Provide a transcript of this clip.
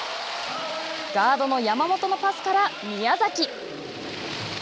ガードの山本のパスから宮崎。